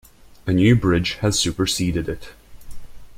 A new bridge has superseded it.